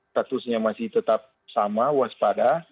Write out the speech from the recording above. statusnya masih tetap sama waspada